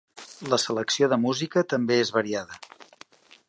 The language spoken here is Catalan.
La selecció de la música també és variada.